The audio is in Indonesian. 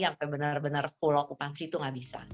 sampai benar benar full okupansi itu nggak bisa